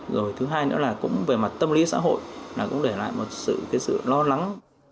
rồi thứ hai nữa là cũng về mặt tâm lý xã hội cũng để lại một sự lo lắng